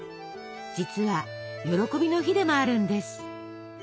実は喜びの日でもあるんです。